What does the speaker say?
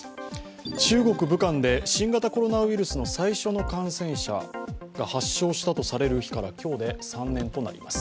中国・武漢で新型コロナウイルスの最初の感染者が発症したとされる日から今日で３年となります。